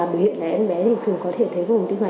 bởi hiện em bé thường có thể thấy vùng tinh hoàng